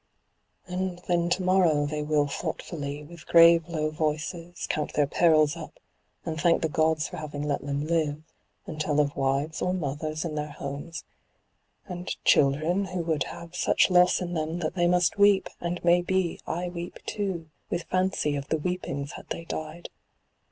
And then to morrow they will thoughtfully, with grave low voices, count their perils up, and thank the gods for having let them live, and tell of wives or mothers in their homes, and children, who would have such loss in them that they must weep, and may be I weep too, with fancy of the weepings had they died.